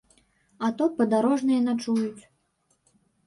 А то падарожныя начуюць.